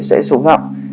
sẽ xuống học